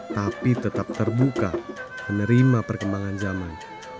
tapi tetap terbuka menerima perkembangan zaman